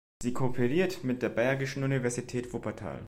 Sie kooperiert mit der Bergischen Universität Wuppertal.